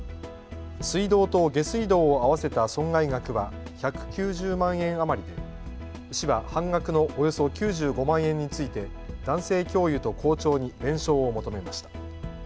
水道と下水道を合わせた損害額は１９０万円余りで市は半額のおよそ９５万円について男性教諭と校長に弁償を求めました。